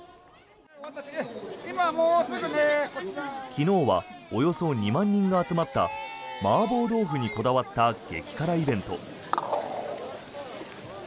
昨日はおよそ２万人が集まったマーボー豆腐にこだわった激辛イベント。